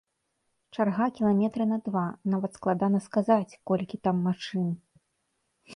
Чарга кіламетры на два, нават складана сказаць, колькі там машын.